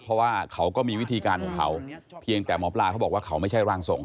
เพราะว่าเขาก็มีวิธีการของเขาเพียงแต่หมอปลาเขาบอกว่าเขาไม่ใช่ร่างทรง